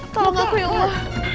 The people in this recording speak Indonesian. tolong aku ya allah